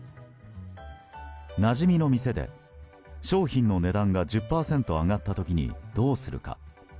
なじみの店で商品の値段が１０％上がった時にどうするか。